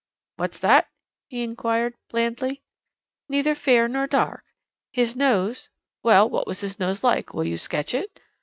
"What's that?" he inquired blandly. "Neither fair nor dark his nose " "Well, what was his nose like? Will you sketch it?"